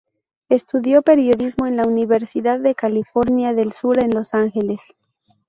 Estudió periodismo en la Universidad de California del Sur en Los Ángeles.